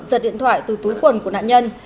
giật điện thoại từ túi quần của nạn nhân